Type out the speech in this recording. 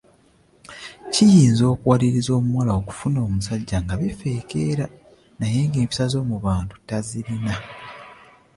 Kiyinza okuwaliriza omuwala okufuna omusajja nga bifeekera naye ng’empisa ez’omubantu tazirina.